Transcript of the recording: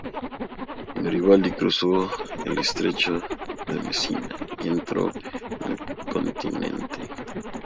Garibaldi cruzó el estrecho de Mesina y entró en el continente.